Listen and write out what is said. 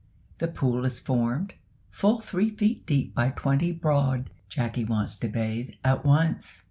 The pool is formed, full three feet deep by twenty broad. Jacky wants to bathe at once.